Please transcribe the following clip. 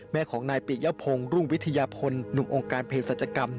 แม่ของนายปิยพงศ์รุ่งวิทยาพลหนุ่มองค์การเพศสัจกรรม